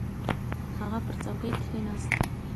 هغه پر څوکۍ کښېناست.